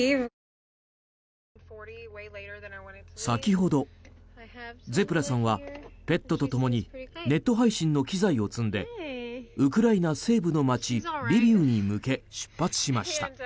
先ほど、ゼプラさんはペットとともにネット配信の機材を積んでウクライナ西部の街リビウに向け出発しました。